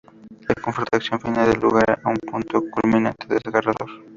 Y la confrontación final da lugar a un punto culminante desgarrador.